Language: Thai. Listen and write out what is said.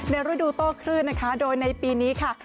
ฤดูโต้คลื่นนะคะโดยในปีนี้ค่ะ